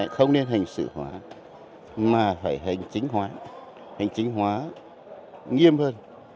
không nên hình sự hóa mà phải hình chính hóa hình chính hóa nghiêm hơn